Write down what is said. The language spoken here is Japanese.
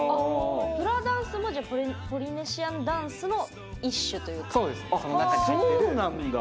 フラダンスもポリネシアンダンスの一種というか。